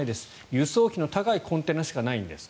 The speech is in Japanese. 輸送費の高いコンテナしかないんです。